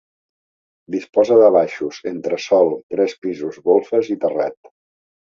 Disposa de baixos, entresòl, tres pisos, golfes i terrat.